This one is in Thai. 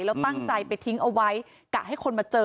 แล้วตั้งใจไปทิ้งเอาไว้กะให้คนมาเจอ